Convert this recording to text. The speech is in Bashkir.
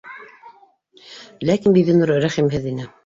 Ләкин Бибинур рәхимһеҙ ине